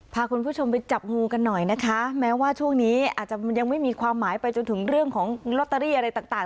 พาคุณผู้ชมไปจับงูกันหน่อยนะคะแม้ว่าช่วงนี้อาจจะยังไม่มีความหมายไปจนถึงเรื่องของลอตเตอรี่อะไรต่าง